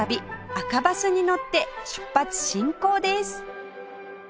赤バスに乗って出発進行です！